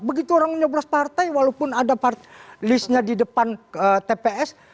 begitu orang nyoblos partai walaupun ada listnya di depan tps